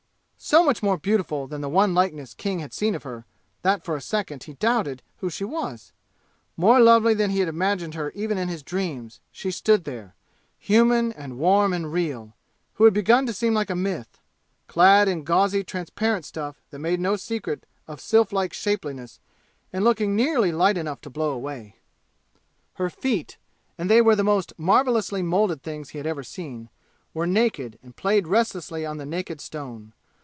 So much more beautiful than the one likeness King had seen of her that for a second he doubted who she was more lovely than he had imagined her even in his dreams she stood there, human and warm and real, who had begun to seem a myth, clad in gauzy transparent stuff that made no secret of sylph like shapeliness and looking nearly light enough to blow away. Her feet and they were the most marvelously molded things he had ever seen were naked and played restlessly on the naked stone.